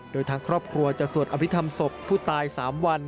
โดยทางครอบครัวจะสวดอภิษฐรรมศพผู้ตาย๓วัน